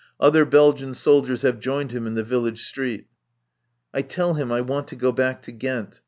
Other Belgian soldiers have joined him in the village street. I tell him I want to go back to Ghent.